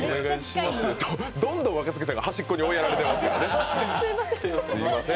どんどん若槻さんが端っこに追いやられていますからね。